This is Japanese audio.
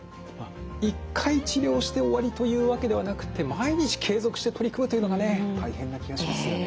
一回治療して終わりというわけではなくて毎日継続して取り組むというのがね大変な気がしますよね。